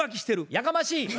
やかましい！